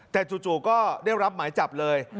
แต่จู่ก็ได้รับหมายจับเลย